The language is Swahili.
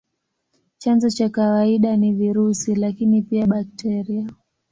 Chanzo cha kawaida ni virusi, lakini pia bakteria.